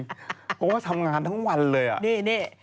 เพราะว่าทำงานทั้งวันเลยอ่ะนี่